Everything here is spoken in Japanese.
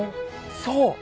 そう！